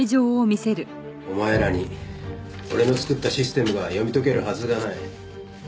お前らに俺の作ったシステムが読み解けるはずがない。